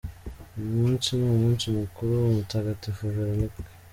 Uyu munsi ni umunsi mukuru wa Mutagatifu Veronica.